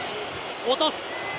落とす。